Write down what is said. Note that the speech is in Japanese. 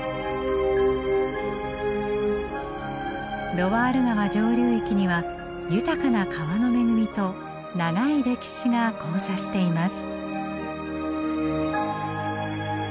ロワール川上流域には豊かな川の恵みと長い歴史が交差しています。